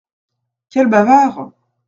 Quel bavard !